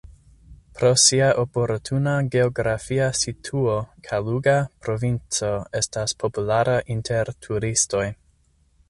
Pro sia oportuna geografia situo Kaluga provinco estas populara inter turistoj.